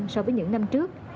so với những năm trước